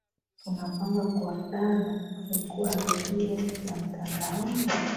unapanga kuunda na kufungua redio ya mtandaoni